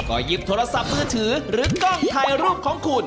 ก็หยิบโทรศัพท์มือถือหรือกล้องถ่ายรูปของคุณ